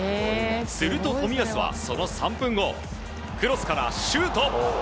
すると冨安は、その３分後クロスからシュート！